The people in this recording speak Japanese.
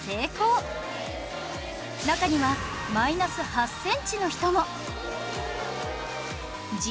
中にはマイナス８センチの人も